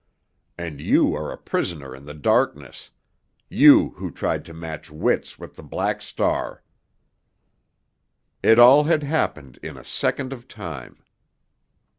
—and you are a prisoner in the darkness—you who tried to match wits with the Black Star!" It all had happened in a second of time.